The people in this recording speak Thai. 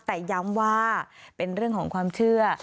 แต่ย้ำว่าเป็นเรื่องของความเชื่อ